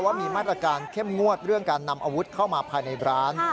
ว่ามีมาตรการเข้มงวดเรื่องการนำอาวุธเข้ามาภายในร้าน